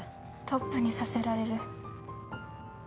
トップにさせられる。